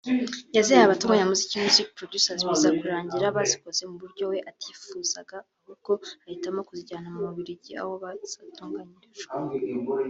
yazihaya abatunganyamuziki (Music Producers) biza kurangira bazikoze mu buryo we atifuzaga ahubwo ahitamo kuzijyana mu Bubiligi aho zatunganyirijwe